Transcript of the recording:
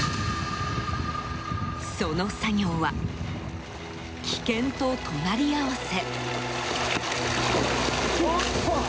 その作業は危険と隣り合わせ。